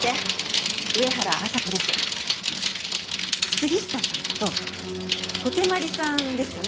杉下さんと小手鞠さんですよね。